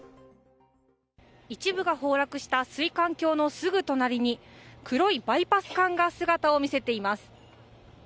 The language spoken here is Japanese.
一部が崩落した水管橋のすぐ隣に黒いバイパス管が姿を見せています。